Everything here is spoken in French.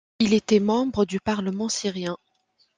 Il était membre du parlement syrien.